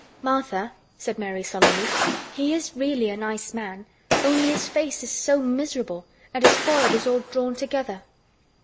"Martha," said Mary solemnly, "he is really a nice man, only his face is so miserable and his forehead is all drawn together."